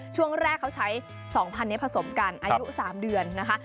ช่วงแรกเขาใช้๒๐๐นี้ผสมกันอายุ๓เดือนนะคะ